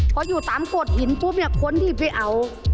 พออยู่ตามโดดหินปุ๊บเนี่ยคนที่ไปเอา